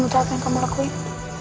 kamu tau apa yang kamu lakuin